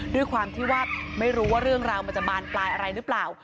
ด้วยความที่ว่าไม่รู้ว่าเรื่องราวมันจะบานปลายอะไรหรือเปล่า